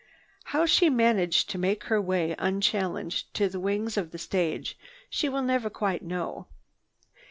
How she managed to make her way unchallenged to the wings of the stage, she will never quite know.